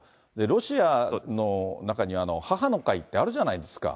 ロシアの中には、母の会ってあるじゃないですか。